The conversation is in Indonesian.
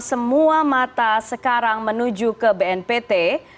semua mata sekarang menuju ke bnpt